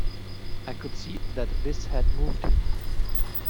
I could see that this had moved him.